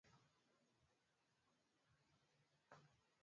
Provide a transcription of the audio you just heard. Mume kulipa gharama ya hospitali